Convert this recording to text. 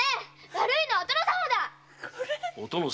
悪いのはお殿様だ！